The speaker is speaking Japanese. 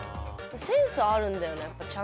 センスあるんだよなやっぱちゃんと。